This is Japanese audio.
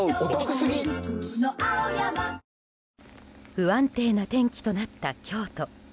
不安定な天気となった京都。